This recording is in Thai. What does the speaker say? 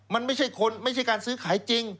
มันไม่ใช่การซื้อขายจริง